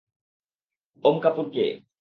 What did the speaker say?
ওম Kapoor কে?